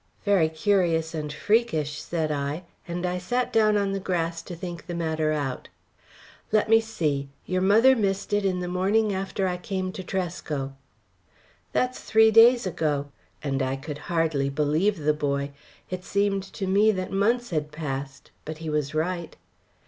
"Very curious and freakish," said I, and I sat down on the grass to think the matter out. "Let me see, your mother missed it in the morning after I came to Tresco." "That's three days ago." And I could hardly believe the boy. It seemed to me that months had passed. But he was right.